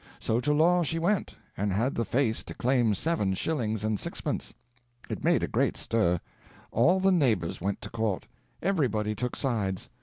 So to law she went, and had the face to claim seven shillings and sixpence. It made a great stir. All the neighbors went to court. Everybody took sides.